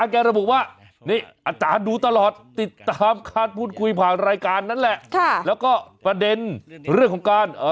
ความคาดพูดคุยผ่านรายการนั้นแหละค่ะแล้วก็ประเด็นเรื่องของการเอ่อ